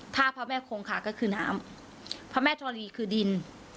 ถ้าพระแม่คงค่ะก็คือน้ำพระแม่ธรณีคือดิน